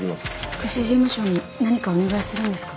福祉事務所に何かお願いするんですか？